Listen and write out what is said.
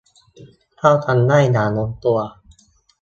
เข้ากันได้อย่างลงตัว